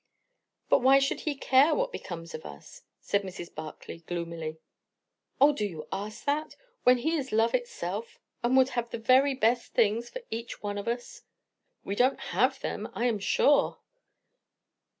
"But why should he care what becomes of us?" said Mrs. Barclay gloomily. "O, do you ask that? When he is Love itself, and would have the very best things for each one of us?" "We don't have them, I am sure."